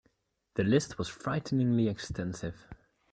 The list was frighteningly extensive.